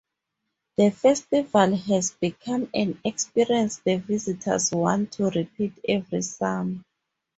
The festival has become an experience the visitors want to repeat every summer.